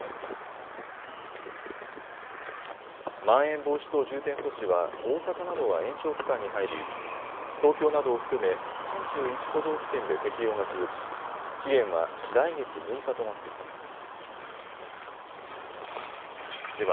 まん延防止等重点措置は大阪などは延長期間に入り東京などを含め３１都道府県で適用が続き期限は来月６日となっています。